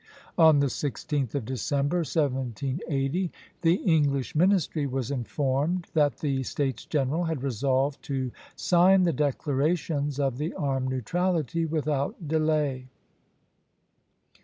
On the 16th of December, 1780, the English ministry was informed that the States General had resolved to sign the declarations of the Armed Neutrality without delay.